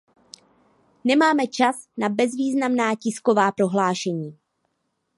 Nemáme čas na bezvýznamná tisková prohlášení.